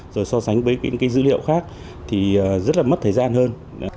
rồi so sánh với những cái dữ liệu khác thì rất là mất thời gian hơn